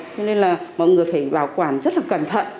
cho nên là mọi người phải bảo quản rất là cẩn thận